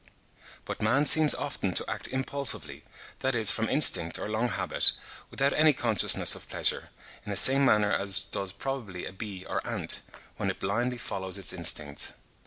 But man seems often to act impulsively, that is from instinct or long habit, without any consciousness of pleasure, in the same manner as does probably a bee or ant, when it blindly follows its instincts.